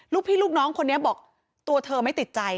ลูกพี่ลูกน้องคนนี้บอกตัวเธอไม่ติดใจ